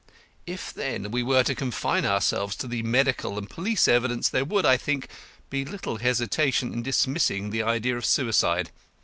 If, then, we were to confine ourselves to the medical and police evidence, there would, I think, be little hesitation in dismissing the idea of suicide.